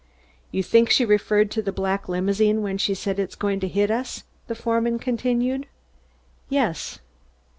"You think she referred to the black limousine when she said, 'It's going to hit us'?" the foreman continued. "Yes."